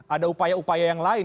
ada upaya upaya yang lain